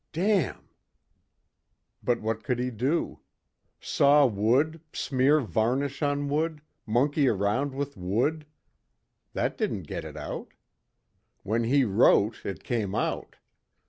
Damn...." But what could he do? Saw wood, smear varnish on wood, monkey around with wood. That didn't get it out. When he wrote it came out.